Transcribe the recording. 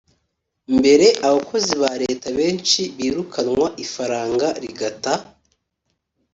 mbere abakozi ba leta benshi birukanwa, ifaranga rigata